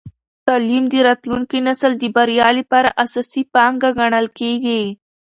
تعلیم د راتلونکي نسل د بریا لپاره اساسي پانګه ګڼل کېږي.